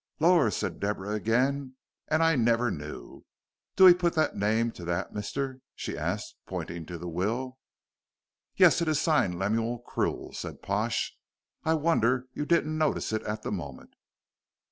"Lor,'" said Deborah again, "and I never knew. Do he put that name to that, mister?" she asked, pointing to the will. "Yes! It is signed Lemuel Krill," said Pash. "I wonder you didn't notice it at the moment."